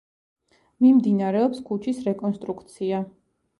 მიმდინარეობს ქუჩის რეკონსტრუქცია.